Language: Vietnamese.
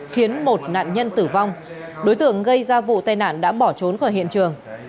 khiến một nạn nhân tử vong đối tượng gây ra vụ tai nạn đã bỏ trốn khỏi hiện trường